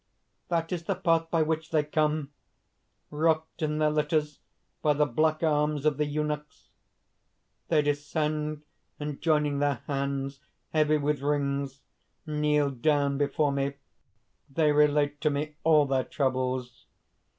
_) "That is the path by which they come, rocked in their litters by the black arms of the eunuchs. They descend and joining their hands, heavy with rings, kneel down before me. They relate to me all their troubles.